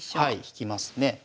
はい引きますね。